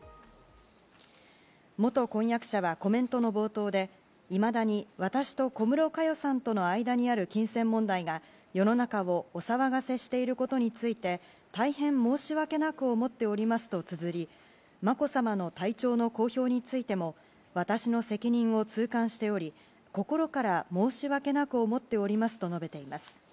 元婚約者はコメントの冒頭でいまだに私と小室さんの間にある金銭問題が世の中をお騒がせしていることについて大変申し訳なく思っておりますとつづりまこさまの体調の公表についても私の責任を痛感しており心から申し訳なく思っておりますと述べています。